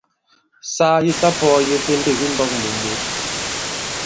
Saa yi ta-pɔ̄ɔye ifendêk i mbɔ̄k mù mǔ.